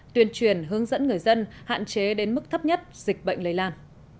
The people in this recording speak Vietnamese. tuyên truyền hướng dẫn người dân hạn chế đến mức thấp nhất dịch bệnh lây lan